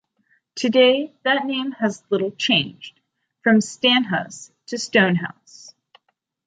Today, that name has little changed: from Stanhus to Stonehouse.